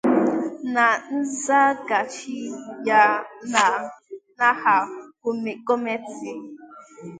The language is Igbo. Na nzaghachi ya n'aha gọọmenti